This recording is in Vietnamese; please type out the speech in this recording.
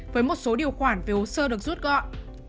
với một số điều khoản về hồ sơ được rút gọn